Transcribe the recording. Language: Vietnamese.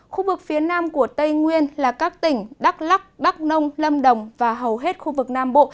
khu vực phía nam của tây nguyên là các tỉnh đắk lắc đắk nông lâm đồng và hầu hết khu vực nam bộ